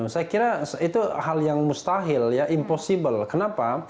saya kira itu hal yang mustahil ya impossible kenapa